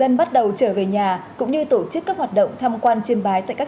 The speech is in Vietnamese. hãy không giúp cô lạc hoa